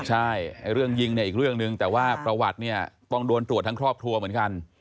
ใช่เรื่องยิงเนี่ยอีกเรื่องหนึ่งแต่ว่าประวัติเนี่ยต้องโดนตรวจทั้งครอบครัวเหมือนกัน